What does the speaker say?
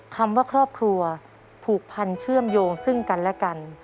คำว่าครอบครัวผูกพันเชื่อมโยงซึ่งกันและกัน